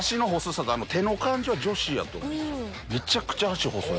めちゃくちゃ脚細い。